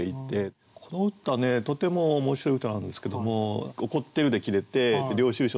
この歌ねとても面白い歌なんですけども「怒ってる。」で切れて「領収書。」って。